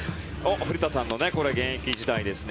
古田さんの現役時代ですね。